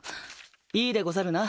いいでござるな？